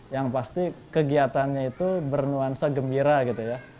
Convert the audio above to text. yang pasti kegiatannya itu bernuansa gembira gitu ya